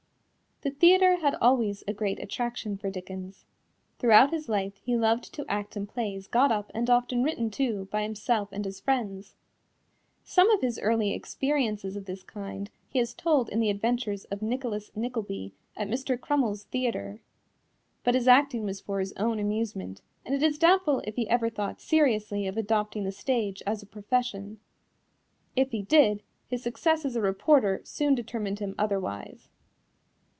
The theater had always a great attraction for Dickens. Throughout his life he loved to act in plays got up and often written, too, by himself and his friends. Some of his early experiences of this kind he has told in the adventures of Nicholas Nickleby at Mr. Crummles's theater. But his acting was for his own amusement, and it is doubtful if he ever thought seriously of adopting the stage as a profession. If he did, his success as a reporter soon determined him otherwise.